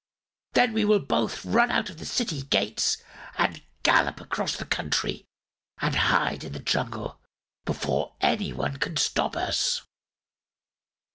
Then we will both run out of the city gates and gallop across the country and hide in the jungle before anyone can stop us."